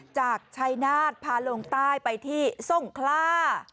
จากชัยนาฏพาลงใต้ไปที่ทรงคล่า